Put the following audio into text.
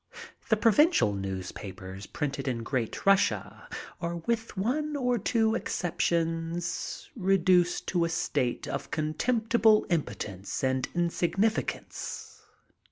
*'The provincial newspapers printed in Great Rus sia are with one or two exertions reduced to a state of contemptible in4x>tence and insignificance.